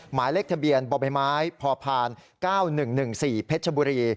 หมายเลขทะเบียนบ่อใบไม้พพ๙๑๑๔เพชรบุรี